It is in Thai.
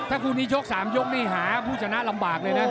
ถ้าคู่นี้ชก๓ยกนี่หาผู้ชนะลำบากเลยนะ